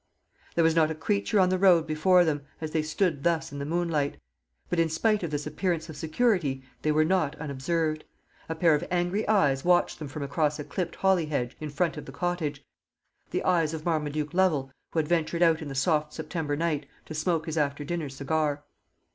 There was not a creature on the road before them, as they stood thus in the moonlight; but in spite of this appearance of security, they were not unobserved. A pair of angry eyes watched them from across a clipped holly hedge in front of the cottage the eyes of Marmaduke Lovel, who had ventured out in the soft September night to smoke his after dinner cigar.